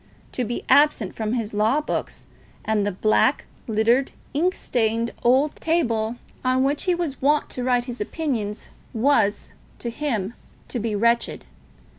To be absent from his law books and the black, littered, ink stained old table on which he was wont to write his opinions, was, to him, to be wretched.